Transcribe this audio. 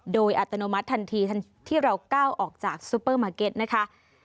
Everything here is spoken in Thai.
โดยอัตโนมัติทันทีที่เราก้าวออกจากซูเปอร์มาร์เก็ตนะคะ